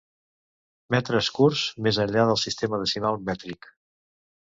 Metres curts més enllà del sistema decimal mètric.